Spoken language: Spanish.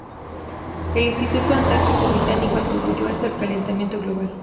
El Instituto Antártico Británico atribuyó esto al calentamiento global.